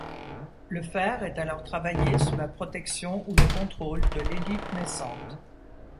Le fer est alors travaillé sous la protection ou le contrôle de l'élite naissante.